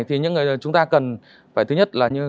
thì những người chúng ta cần phải thứ nhất là như